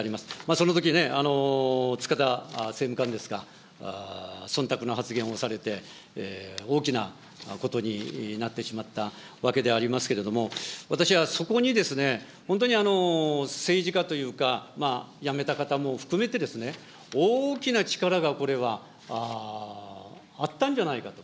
そのとき、つかだ政務官ですか、そんたくの発言をされて、大きなことになってしまったわけでありますけれども、私はそこにですね、本当に政治家というか、辞めた方も含めてですね、大きな力がこれはあったんじゃないかと。